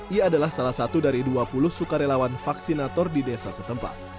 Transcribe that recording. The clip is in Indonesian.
ia adalah salah satu dari dua puluh sukarelawan vaksinator di desa setempat